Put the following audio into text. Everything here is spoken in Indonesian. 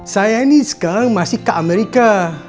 saya ini sekarang masih ke amerika